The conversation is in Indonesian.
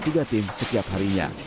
tiga tim setiap harinya